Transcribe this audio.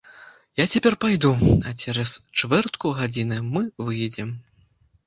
Я цяпер пайду, а цераз чвэртку гадзіны мы выедзем.